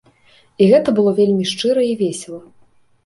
І гэта было вельмі шчыра і весела.